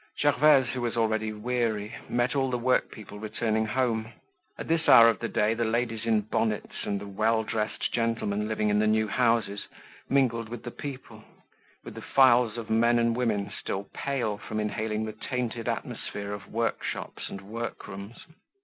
Gervaise, who was already weary, met all the workpeople returning home. At this hour of the day the ladies in bonnets and the well dressed gentlemen living in the new houses mingled with the people, with the files of men and women still pale from inhaling the tainted atmosphere of workshops and workrooms.